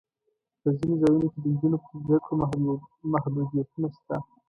په ځینو ځایونو کې د نجونو پر زده کړو محدودیتونه شته.